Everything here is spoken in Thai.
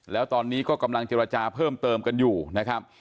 แล้วตอนนี้ก็กำลังเจรจาเพิ่มเติมกันอยู่นะครับ